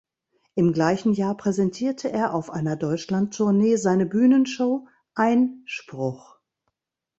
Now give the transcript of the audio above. Im gleichen Jahr präsentierte er auf einer Deutschlandtournee seine Bühnenshow „Ein§pruch“.